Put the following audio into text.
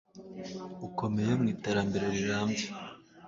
ukomeye mu iterambere riramby